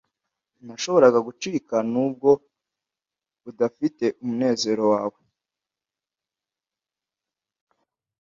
ntashobora gucika, nubwo udafite umunezero wawe,